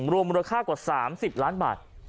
รวมมูลค่ากว่า๓๐ล้านบาท